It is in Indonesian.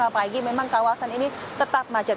lima pagi memang kawasan ini tetap macet